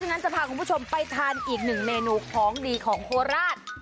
งั้นจะพาคุณผู้ชมไปทานอีกหนึ่งเมนูของดีของโคราช